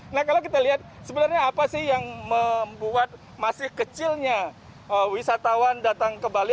nah kalau kita lihat sebenarnya apa sih yang membuat masih kecilnya wisatawan datang ke bali